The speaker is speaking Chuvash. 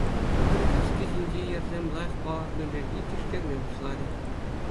Пӗр каски ҫинчи йӗрсем лайӑх палӑрнӑ пирки тишкерме пуҫларӗ.